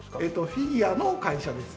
フィギュアの会社です。